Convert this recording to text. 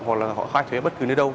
hoặc là họ khai thuế ở bất cứ nơi đâu